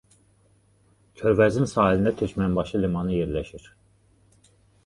Körfəzin sahilində Türkmənbaşı limanı yerləşir.